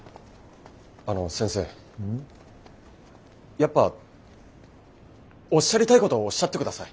やっぱおっしゃりたいことをおっしゃってください。